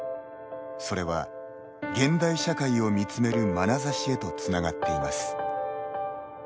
それは、現代社会を見つめるまなざしへとつながっています。